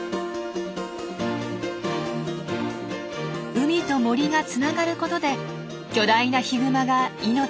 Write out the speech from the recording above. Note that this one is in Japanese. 海と森がつながることで巨大なヒグマが命をつなぐ。